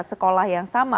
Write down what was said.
sekolah yang sama